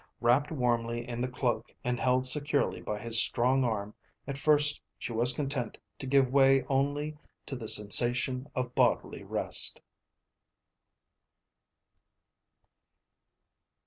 Wrapped warmly in the cloak and held securely by his strong arm at first she was content to give way only to the sensation of bodily rest.